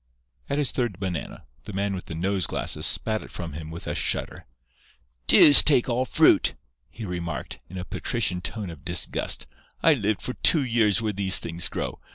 At his third banana, the man with the nose glasses spat it from him with a shudder. "Deuce take all fruit!" he remarked, in a patrician tone of disgust. "I lived for two years where these things grow.